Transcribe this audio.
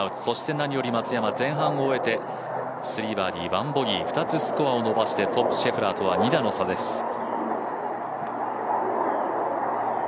そして何より松山、前半を終えて３バーディー、１ボギー、２つスコアを伸ばしてトップシェフラーとは２打の差です。